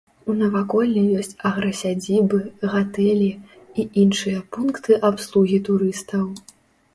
У наваколлі ёсць аграсядзібы, гатэлі і іншыя пункты абслугі турыстаў.